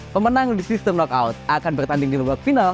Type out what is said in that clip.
pemenang di sistem knockout akan bertanding di babak final